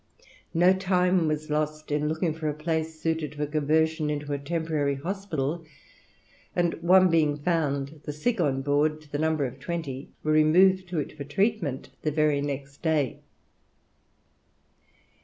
No time was lost in looking for a place suited for conversion into a temporary hospital, and one being found, the sick on board, to the number of twenty, were removed to it for treatment the very next day.